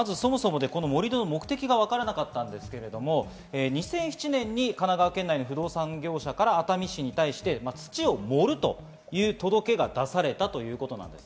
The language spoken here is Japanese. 盛り土の目的が分からなかったんですが、２００７年に神奈川県内の不動産業者から熱海市に対して土を盛るという届けが出されたということです。